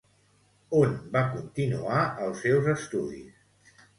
On va continuar els seus estudis?